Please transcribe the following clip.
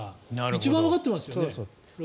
一番わかってますよね？